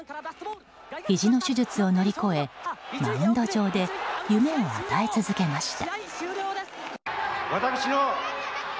ひじの手術を乗り越えマウンド上で夢を与え続けました。